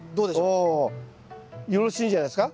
およろしいんじゃないですか？